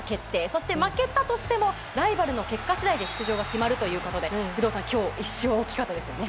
そして負けたとしてもライバルの結果次第で出場が決まるということで有働さん、今日１勝大きかったですね。